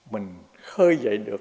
mình khơi dậy được